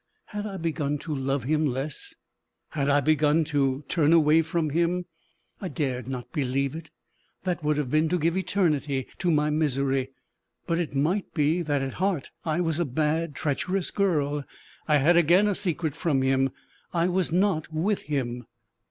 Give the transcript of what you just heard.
Had I begun to love him less? had I begun to turn away from him? I dared not believe it. That would have been to give eternity to my misery. But it might be that at heart I was a bad, treacherous girl! I had again a secret from him! I was not with him!